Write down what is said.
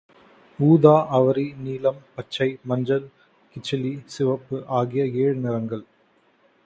ஊதா, அவுரி, நீலம், பச்சை, மஞ்சள், கிச்சிலி, சிவப்பு ஆகிய ஏழு நிறங்கள்.